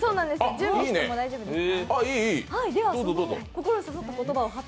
準備しても大丈夫ですか？